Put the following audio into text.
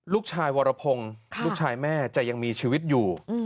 วรพงศ์ลูกชายแม่จะยังมีชีวิตอยู่